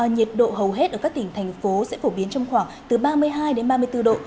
nhiệt độ hầu hết ở các tỉnh thành phố sẽ phổ biến trong khoảng từ ba mươi hai đến ba mươi bốn độ